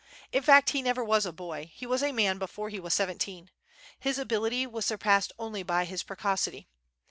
In fact he never was a boy; he was a man before he was seventeen. His ability was surpassed only by his precocity.